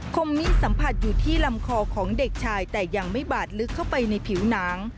คมนี้สัมผัสอยู่ที่ลำคอของเด็กชายแต่ยังไม่บาดลึกเข้าไปในผิวหนัง